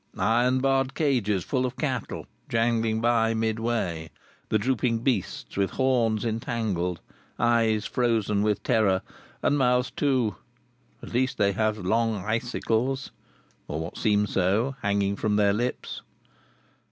Iron barred cages full of cattle jangling by midway, the drooping beasts with horns entangled, eyes frozen with terror, and mouths too: at least they have long icicles (or what seem so) hanging from their lips.